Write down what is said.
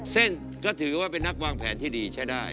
เส้นก็ถือว่าเป็นนักวางแผนที่ดีใช้ได้